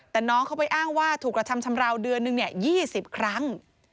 แต่น้องเขาไปอ้างว่าถูกกระทำชำราวเดือนนึง๒๐ครั้ง